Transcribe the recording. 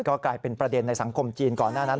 ก็กลายเป็นประเด็นในสังคมจีนก่อนหน้านั้น